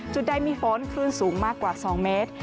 จุดใดมีฝนคลื่นสูงมากกว่า๒เมตร